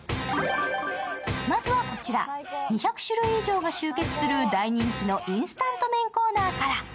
まずはこちら、２００種類以上が集結する大人気のインスタント麺コーナーから。